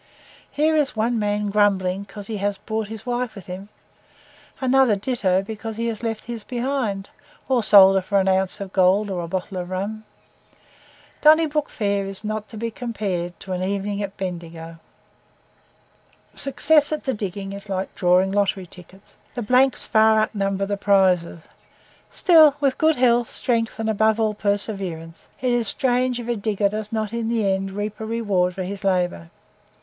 Here is one man grumbling because he has brought his wife with him, another ditto because he has left his behind, or sold her for an ounce of gold or a bottle of rum. Donnybrook Fair is not to be compared to an evening at Bendigo. Success at the diggings is like drawing lottery tickets the blanks far outnumber the prizes; still, with good health, strength, and above all perseverance, it is strange if a digger does not in the end reap a reward for his labour.